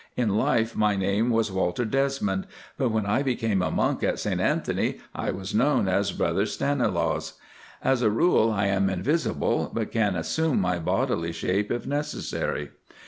In life my name was Walter Desmond, but when I became a monk at St Anthony I was known as Brother Stanilaus. As a rule I am invisible, but can assume my bodily shape if necessary.